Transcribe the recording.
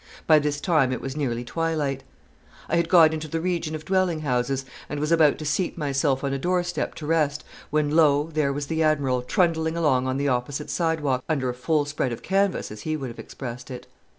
By this time it was nearly twilight. I had got into the region of dwelling houses, and was about to seat myself on a doorstep to rest, when, lo! there was the Admiral trundling along on the opposite sidewalk, under a full spread of canvas, as he would have expressed it.